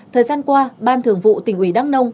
thời gian qua ban thường vụ tỉnh ủy đắk nông